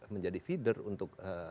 menjadi feeder untuk